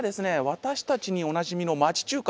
私たちにおなじみの町中華。